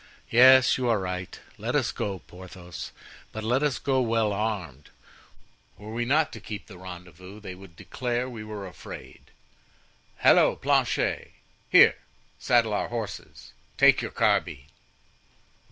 Yes, you are right; let us go, Porthos, but let us go well armed; were we not to keep the rendezvous, they would declare we were afraid. Halloo! Planchet! here! saddle our horses, take your carbine."